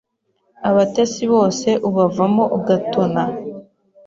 Abatesi bose ubavamo ugatona !...